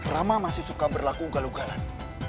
rama masih suka berlaku galugalan